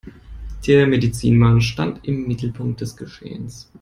Der Medizinmann stand im Mittelpunkt des Geschehens.